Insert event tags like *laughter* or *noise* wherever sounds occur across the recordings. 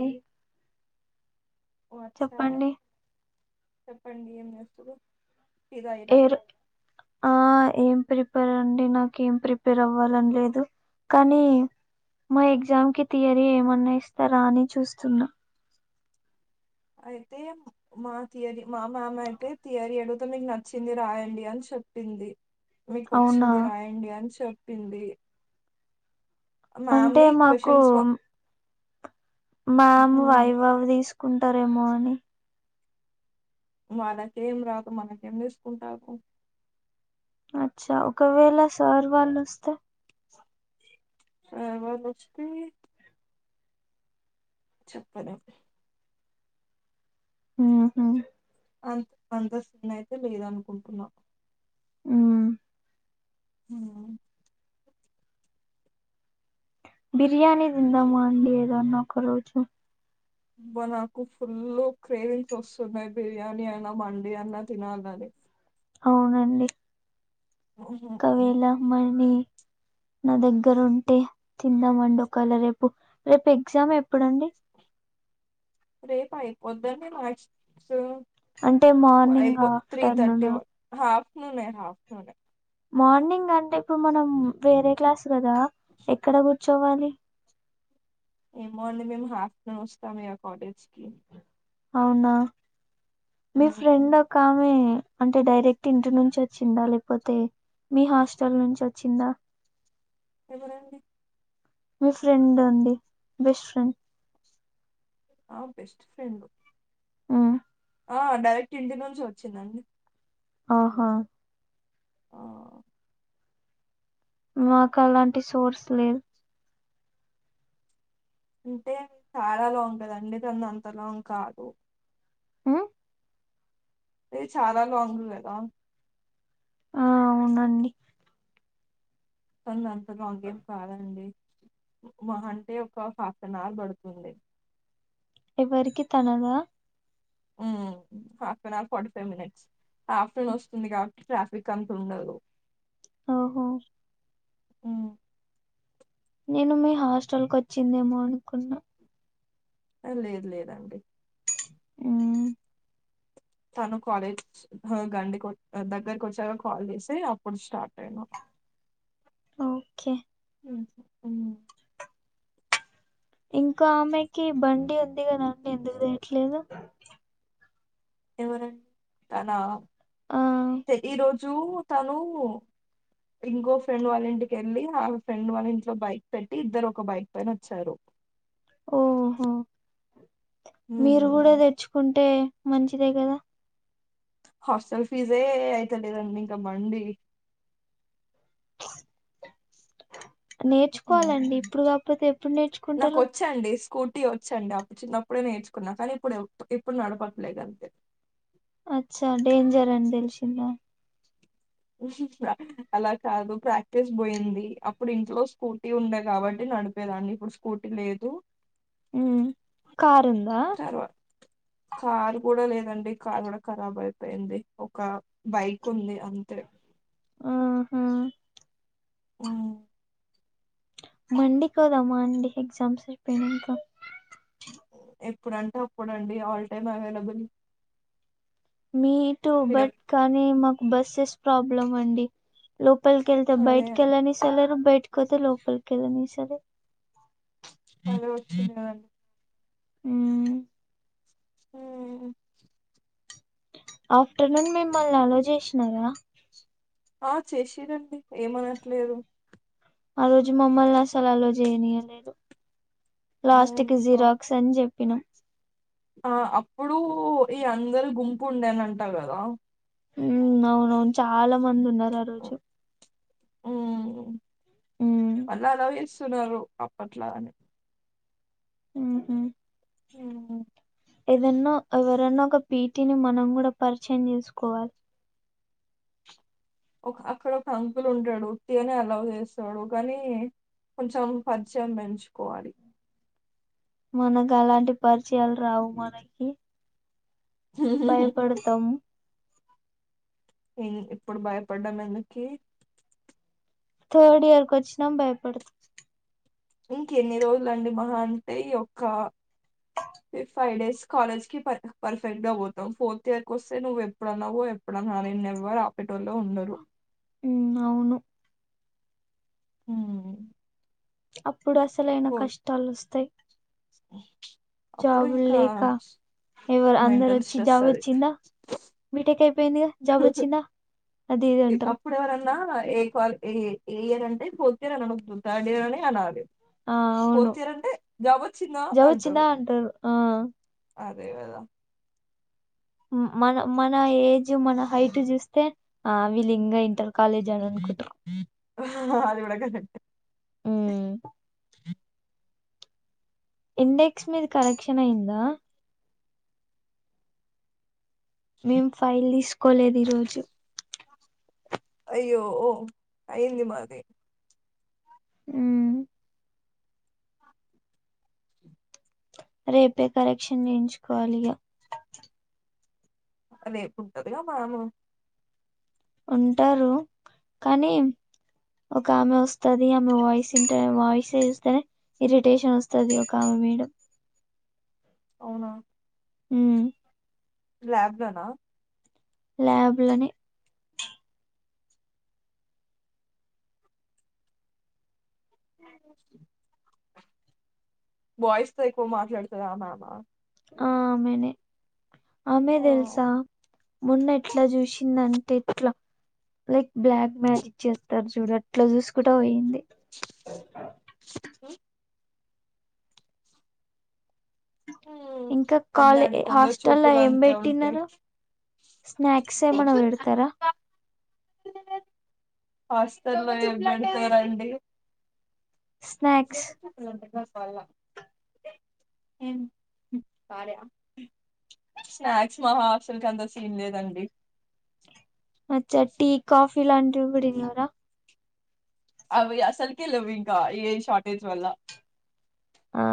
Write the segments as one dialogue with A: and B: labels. A: మ్మ్
B: ఓ అచ్చా
A: చెప్పండి
B: చెప్పండి ఏం జేస్తారు
A: ఏవరు ఆ ఏం ప్రిపేర్ అండి నాకేం ప్రిపేర్ అవ్వాలని లేదు కానీ మా ఎగ్జామ్ కి థియరీ ఏమన్నా ఇస్తారా అని చూస్తున్నా
B: అయితే మా థియరీ మా మ్యామ్ అయితే థియరీ అడుగుతుందా, ఇంకా వచ్చిందే రాయండి అని చెప్పింది. మీకు
A: అవునా
B: వచ్చింది రాయండి అని చెప్ పింది
A: అంటే మాకు మ్యామ్ వయిబవది కుంటారేమో అని
B: వాళ్ళకేం రాకు మనకేం తీసుకుంటా
A: అచ్చా ఒకవేళ సార్ వాళ్ళు వస్తే
B: సార్ వాళ్ళు వస్తె చెప్పలేం
A: ఊహు
B: అంత అంతస్తుంది అయితే లేదనుకుంటున్నా
A: మ్
B: మ్
A: బిర్యానీ దిందమా అండి ఏదన్న ఒక రోజు
B: అబ్బా నాకు ఫుల్ క్రేవింగ్స్ వస్తున్నాయి బిర్యానీ అయినా మండి అయిన తినాలని
A: అవునండి
B: ఉహు.
A: ఒకవేలా మణ నా దగ్గర ఉంటే తిందామండి ఒకేళ రేపు రేపు ఎగ్జామ్ ఎప్పుడుండి
B: రేప పొద్దున్నే మ్యాథ్స్
A: అంటే మార్నింగ్ ఆఫ్టర్నూన్ నా
B: ఆఫ్టర్నూనే
A: మార్నింగ్ అంటే ఇప్పుడు మనం వేరే క్లాస్ కదా ఎక్కడ కూడా చవాలి
B: ఏమో అండి మేము ఆఫ్టర్నూన్ వస్తాం కలేజ్కి
A: అవునా మీ ఫ్రెండ్ ఒకామె అంటే డైరెక్ట్ ఇంటి నుంచి వచ్చిండ లేకపోతే మీ హాస్టల్ నుంచి వచ్చ చిన్నా
B: ఎవరండీ
A: మీ ఫ్రెండ్ అండి బెస్ట్ ఫ్రెండ్
B: ఆ బెస్ట్ ఫ్రెండు
A: మ్
B: ఆ డైరెక్ట్ ఇంటి నుంచి వచ్చిందండి
A: ఆహా
B: ఆ
A: మాకు అలాంటి సోర్స్ లేదు
B: అంటే చాలా లాంగ్ కదండి తనది అంత లాంగ్ కాదు
A: మ్
B: అదే చాలా లాంగ్ కదా
A: ఆ అవునండి
B: *unintelligible* మాకేం కాాదండి మహంటే ఒక హాఫ్ అన్ అవర్ పడుతుంది
A: ఎవరికి తనదా
B: half an hour forty five minutes half an hour వస్తుంది కాబట్టి ట్రాఫిక్ అంత ఉండదు
A: ఓహో
B: ఉమ్
A: నేను మీ హాస్టల్ కు వచ్చిందేమో అనుకున్నా
B: ఆ లేదు లేదండి
A: ఉమ్
B: తను కాలేజ్ గండికి దగ్గరకి వచ్చాక కాల్ చేసి అప్పుడు స్టార్ట్ అయినా
A: ఓకే
B: ఉమ్.
A: ఇంకా ఆమాకి బండి ఉంది కదండి ఎందుకు తెయట్లేదు
B: ఎవ తనా
A: ఆ
B: ఈరోజ జూ తను ఇంకో ఫ్రెండ్ వాళ్ళ ఇంటికి వెళ్ళి ఆ ఫ్రెండ్ వాళ్ళ ఇంట్లో బైక్ పెట్టి ఇద్దరు ఒక బైక్ పైన వచ్చారు
A: ఓహో మీరు కూడా తెచ్చుకుంటే మంచిదే కదా
B: హాస్టల్ ఫీజే అయితే లేదండి ఇంకా మండి
A: నేర్చుకోవాలండి
B: ఉమ్.
A: ఇప్పుడు కాకపోతే ఎప్పుడు
B: నాకు
A: నేర్చుకుంటారు
B: వచ్చండి స్కూటీ వచ్చండి అప్పుడు చిన్నప్పుడే నేర్చుకున్నా కానీ ఇప్పుడు ఎప్పుడు నడపట్లేదు అంత
A: అచ్చా డంజర్ అ దల్షింద
B: అలా కాదు ప్రాక్టీస్ పోయింది అప్పుడు ఇంట్లో స్కూటీ ఉండే కాబట్టి నడిపేదాన్ని ఇప్పుడు స్కూటీ లేదు
A: ఉమ్ కారు ఉందా
B: తర్వాత కారు కూడా లేదు ఎదండి కార్ కూడా కరాబ్ అయిపోయింది ఒక బైక్ ఉంది అంతే
A: ఆహా
B: ఉమ్
A: మండి కో దమన్డి ఎగ్జమ్ సర్పేడింగ్కా
B: ఎ ఇప్పుడంటే అప్పుడంండి ఆల్ టైమ్ అవైలబుల్
A: మీ టూ
B: మీరు
A: బట్
B: ఎప్-
A: కానీ మకు బస్సెస్ ప్రాబ్లం అండి లో పప్పల్కిళ్తా
B: అదే
A: బయట్ కెల్ సల బయ ఇకతే లోకల్ కల ని సరే
B: *unintelligible* ఉమ్
A: ఆఫ్టర్నూన్ మేమ్మల్ని అలో చేసినారా
B: ఆ చేసిడండి ఏమనట్లేదు
A: ఆ రోజు మమ్మల్ని అసలలో చేయనీయలేదు లాస్ట్ కి
B: అవునా
A: జీరాక్ సంజీప్ పినం
B: ఆ అప్పుడు ఈ అందరి గుంపు ఉండేని అంటా కదా
A: ఉ అవునవును చాలా మంది ఉన్నారు ఆరోజు
B: అ అలాలోవి స్తున్నారు అప్పట్లా అని
A: ఉ
B: ఉ
A: ఏదన్నా ఎవరన్నా ఒక పీటీని మనం కూడా పరిచయం చేసుకోవాలి
B: ఒక అక్కడ ఒక అంకులు ఉంటాడు త అనే అలా చేస్తాడు కానీ కొంచెం పదయం పెంచుకోవాలి
A: మనకు అలాంటి పరిచయాలు రావు మనకి భయపడతాము
B: ఇ ఇప్పుడు భయపడ్డం ఎందుక
A: థర్డ్ ఇయర్కి వచ్చినా భయపడుదుా
B: ఇంక ఎన్ని రోజులు అండి మ అంటే ఈయ ఒక ఫిఫ్ ఫైవ్ డేస్ కాలేజ్ కి పర్ఫెక్ట్ గా పోతాం ఫోర్త్ ఇయర్ క వస్తే నువ్వు ఎప్పుడన్నావో ఎప్పుడన్నా నేను ఎవరు ఆపట్ ో లో ఉండరు
A: ఉమ్ అవును
B: హ
A: అ ఇప్పుడు అసలైనా కష్టాలు వస్తాయి
B: ఓ
A: జాబుల్ లేక ఎవరి అందరు
B: మెంటల్
A: వచ్చి
B: స్ట్రెస్
A: జాబ్
B: అది
A: వచ్చిందా బిఠేకా పను జపచ్చిన అద ఏదంట
B: అప్పుడు ఎవరన్నా ఏ క ఏ ఇయర్ అంటే ఫోత్ ఇయర్ అని అద్దు థర్డ్ ఇయర్ అని అనాల
A: ఆ అవును జవ వచ్చిందా అంటారు ఆ
B: అదే అదా
A: మన మన ఏజ్ మన హైట్ చూస్తే ఆ వీళ్ళు ఇంగా ఇంటారు కాాలేజ్ ఆడకుట్రుం
B: అదిడ కరె
A: అ ఇండెక్స్ మీద కరెక్షన్ అయ్యందా మేం ఫైల్ తీస్ కోలేదు ఈ రోజు
B: అయ్యో ఓ అయింది మాది
A: మ్, రేపే కరెక్షన్ వేయించుకోవాలి ఇగా
B: రేపు ఉంటదిగా మ్యాము
A: ఉంటారు కానీ ఒక ఆమె వస్తుది ఆమె వాయిస్ ఇంట వాయిస్ చూస్తేనే ఇరిటేషన్ వస్తుది ఒక ఆమె మీడం
B: అవునా
A: అ
B: ల్యాబ్ లోనా
A: ల్యాబ్ లోని
B: బాయ్స్ తో ఎక్కువ మాట్లాడుతారామామా
A: ఆమెనే ఆమె తెల్సా మొన్న ఎట్లా చూసింద అంటే ఎట్లా లైక్ బ్లాక్ మ్యాజిక్ చేస్తారు చూడు అట్లా చూసుకు పోయింది ఓహ ఇంకా
B: అంతే
A: కాలే
B: అండి కొందరు
A: హాస్టల్ లో
B: చూపులు
A: ఏం
B: అంతే ఉంటాయి
A: పెట్టినారా స్నాక్స్ ఏమైనా పెడతారా
B: హాస్టల్ లో ఎమ్ పెడతారండి
A: స్నాక్స్
B: *unintelligible* స్నాక్స్ మా హాస్టల్ కి అంతా సీన్ లేదండి
A: అచ్చ టీ కాఫీ లాంటి కూడా ఇయారా
B: అవి అసలుక లేవు ఇంకా ఏ షార్టేజ్ వల్ల
A: ఆ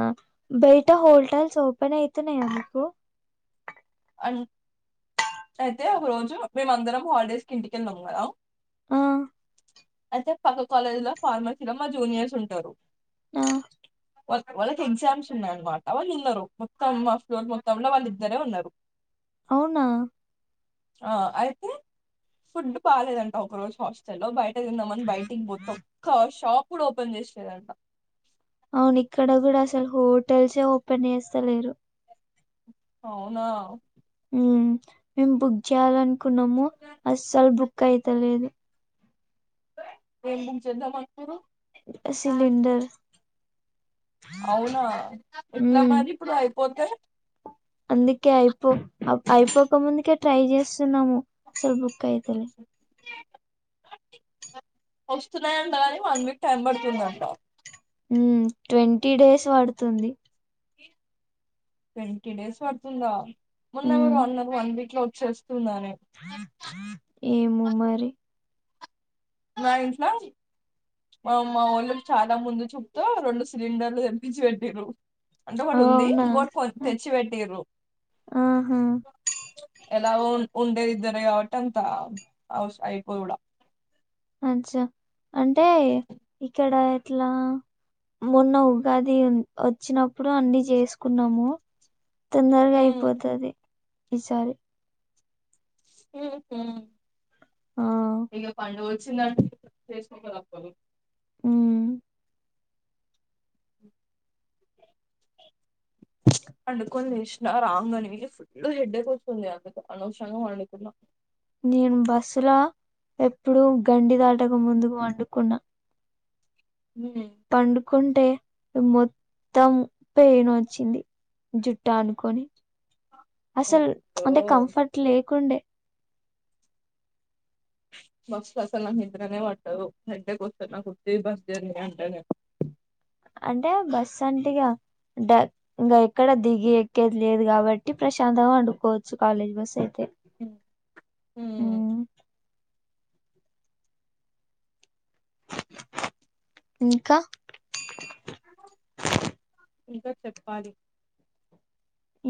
A: బయట హోటల్స్ ఓపెన్ అవుతేన్నా అమకు
B: అ అయితే ఒక రోజు మేమ అందరం హాలిడేస్ కి ఇంటికెళ్ళాము మదా
A: ఆ
B: అయితే పక్క కాలేజీ లో ఫార్మసీలో మా జూనియర్స్ ఉంటారు
A: ఆ
B: వా వాళ్ళకి ఎగ్జామ్స్ ఉన్నాయన్నమాట వాళ్ళు ఉన్నారు మొత్తం మా ఫ్లోర్ మొత్తంంలో వాళ్ళ ఇద్దరే ఉన్నారు
A: అవునా
B: ఆ అయితే ఫుడ్ బాలేదంట ఒక రోజు హాస్టల్లో బయట థిన్న్ధం అని బయటికి పోథే ఒకా శాప్ ఇప్పుడు ఓపెన్ చేసారంట
A: అవును ఇక్కడ కూడా అసలు హోటల్స్ ఏ ఓపెన్ చేస్తలేరు
B: అవునా
A: ఉమ్ మేము బుక్ చేయాలని కునము అస్సలు బుక్ కైతలేదు
B: మెమ్ బుక్ చెధమ్ అన్న
A: సిలింండర్
B: అవునా ఎట్లా
A: ఉమ్
B: మారి పయి పొతే
A: అందుకే అయిపో అప్- అయిపోక ముందుకే ట్రై చేస్త న్నాము స్వల్ బక్కైతలే
B: వస్తున్నాయింట కాని వన్ వీక్ టైం పడుతుందంట
A: ఉమ్ ట్వంటీ డేస్ పడుతుంది
B: ట్వంటీ డేస్ వాడుతుందా మున్న ఎవారో అనారు వన్ వీక్ లో చెస్
A: ఎమో మరి
B: మా ఇంట్లో మా ఊళ్ళలు చాలా ముందు చూపుతూ రెండు సిలిండర్లు ఎల్పించి పెట్టారు అంటే ఒకటి ఉంది
A: అవునా
B: ఇంకోటి
A: ఆ-
B: తెచ్చి పెట్ట్ర
A: ఆహా
B: ఎలా ఉండేదిద్దరు కాబట్టి అంత అయిపోధు కుడా
A: అచ్చా అంటే ఇక్కడ ఎట్లా మొన్న ఉగాది వో వచ్చినప్పుడు అన్ని చేసుకున్నాము తొందరగా
B: ఉమ్,
A: అయిపోతది విచారి
B: హ్మ్ హు
A: ఆ
B: ఇంగ పండవులు వచ్చిందంట్ వేసుకోక తప్పదు
A: హ్మ్
B: పండుకొని లేసిన రాంగ్ నే ఫుల్ హెడ్డక్ వస్తుంది అంతకు అనవసరంగా వండుకున్నా
A: నేను బస్సులో ఎప్పుడు గండి దాటక ముందుకు పండుకున్నా
B: హ్మ్
A: కుంటే మొత్తం పెయిన్ వచ్చింది జుట్ట అనుకొని అసలు అంటే
B: అయ్యో
A: కంఫర్ట్ లేకుండే
B: మస్త్ అసలు నా నిద్రనే పట్టదు హెడేక్ వస్తది నా బస్ జర్నీ అంటానే
A: అంటే బస్ అంటే ఇగ డ ఇంగా ఎక్కడ దిగి ఎక్కేది లేదు కాబట్టి ప్రశాంతంగా పండుకోవచ్చు కాలేజ్ బస్ అయితే ఉమ్.
B: హ్మ్
A: ఇంకా
B: ఇంకా చెప్పాలి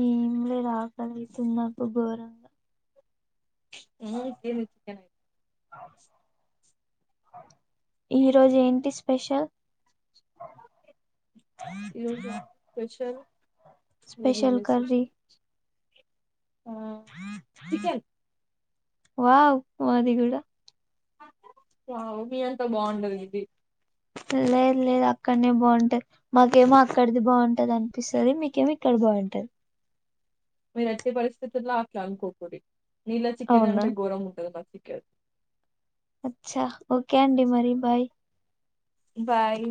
A: ఏంలే ఆకలి అయితుంది నాకు ఘోరం
B: హ్మ్ తిను తిను
A: ఈరోజ ఏంటి స్పెషల్
B: ఈరోజు ఏం స్పెషల్
A: స్పెషల్
B: నువేంది
A: కర్రీ
B: స్పెషల్ ఆ చికెన్
A: వావ్ మాదిగుడా
B: రావు మీ అంతా బాగుంటదు ఇది
A: లేదు లేదు అక్కడనే బాగుంట మాకేమో అక్కడిది బాగుంటది అనిపిస్తది మీకేమో ఇక్కడ బాగుంట
B: మీరు ఎట్టి పరిస్థితుల్లో అట్లానుకోకురి నీళ్ల చికెన్
A: అవునా
B: అంటే గోరంగుంటది *unintelligible* కె
A: అచ్చా ఓకే అండి మరి బాయ్
B: బాయ్